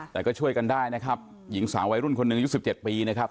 แต่ก็ช่วยกันได้นะครับหญิงสามวัยรุ่นคนนึงยุคสิบเจ็ดปีนะครับ